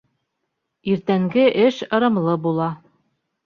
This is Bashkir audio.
Иртәнге эш ырымлы була.